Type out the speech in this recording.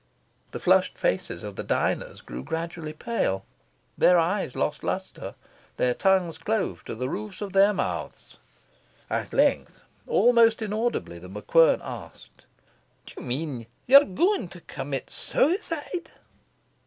The flushed faces of the diners grew gradually pale. Their eyes lost lustre. Their tongues clove to the roofs of their mouths. At length, almost inaudibly, The MacQuern asked "Do you mean you are going to commit suicide?"